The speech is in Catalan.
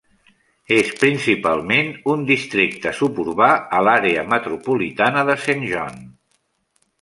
És principalment un districte suburbà a l'àrea metropolitana de Saint John.